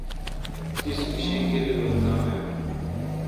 تیس اوں شی کیرای رل دان آں